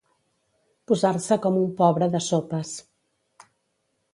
Posar-se com un pobre de sopes.